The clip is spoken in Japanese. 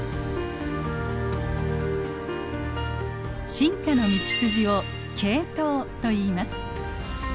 進化の道筋を「系統」といいます。